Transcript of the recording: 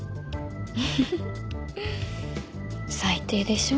ウフフ最低でしょ。